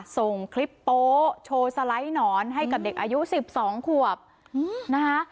ส่งคลิปโป๊โชว์สไลด์หนอนให้กับเด็กอายุ๑๒ขวบนะคะ